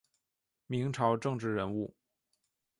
明朝政治人物。